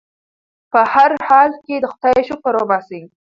په هر حال کې د خدای شکر وباسئ.